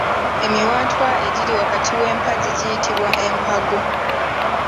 Emiwaatwa egiri wakati w’empagi giyitibwa Empago.